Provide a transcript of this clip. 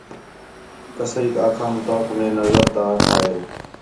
کسائیک آکھام توک مئے نظر تا آکھا ہے